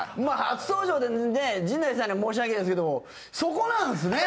初登場でね陣内さんには申し訳ないですけどもそこなんですね？